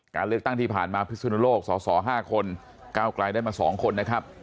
การเลือกตั้งที่ผ่านมาพิศนุโลกสส๕คนก้าวไกลได้มา๒คนนะครับ